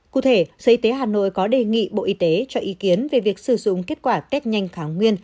cụ thể sở y tế hà nội có đề nghị bộ y tế cho ý kiến về việc sử dụng kết quả test nhanh kháng nguyên